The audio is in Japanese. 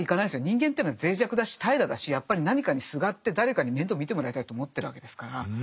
人間っていうのは脆弱だし怠惰だしやっぱり何かにすがって誰かに面倒を見てもらいたいと思ってるわけですから。